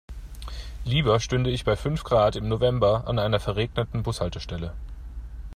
Lieber stünde ich bei fünf Grad im November an einer verregneten Bushaltestelle.